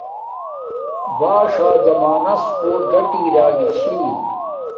باݽا زمانس کوٹ گٹی اراگی چھی